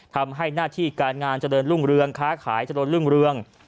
ทำให้หน้าที่การงานเจริญรุ่งเรืองค้าขายเจริญรุ่งเรือง